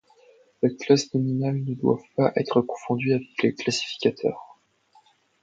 Les classes nominales ne doivent pas être confondues avec les classificateurs.